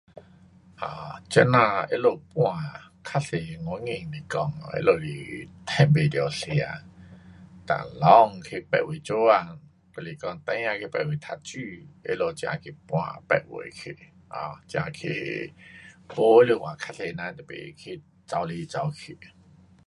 啊，这呐他们搬较多原因是讲 um 他们是赚不到吃，哒老公去别位做工，还是讲孩儿去别位读书他们才去搬别位去。um 才去，没来话，较多人都甭去跑来跑去。